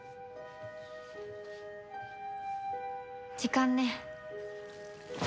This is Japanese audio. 時間ね。